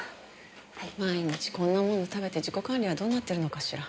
毎日こんなもの食べて自己管理はどうなってるのかしら。